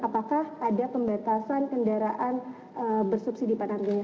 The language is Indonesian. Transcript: apakah ada pembatasan kendaraan bersubsidi panargonya